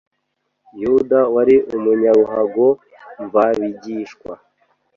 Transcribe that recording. Yuda, wari umunyaruhago mv'abigishwa